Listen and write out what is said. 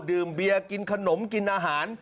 ดื่มเบียร์กินขนมกินอาหาร